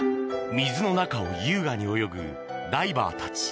水の中を優雅に泳ぐダイバーたち。